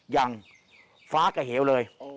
อย่างฟ้ากระเหวเลย